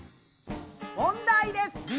問題です！